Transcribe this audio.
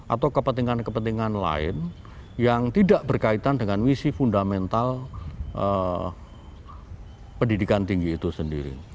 atau kepentingan kepentingan lain yang tidak berkaitan dengan misi fundamental pendidikan tinggi itu sendiri